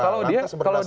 kalau dia peraturan